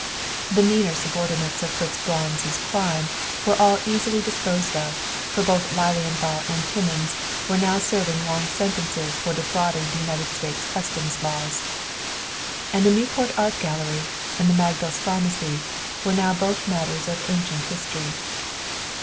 The meaner subordinates of Fritz Braun's crime were all easily disposed of, for both Lilienthal and Timmins were now serving long sentences for defrauding the United States customs laws. And the Newport Art Gallery and the Magdal's Pharmacy were now both matters of "ancient history."